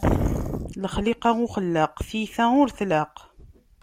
Lexliqa uxellaq, tiyta ur tlaq.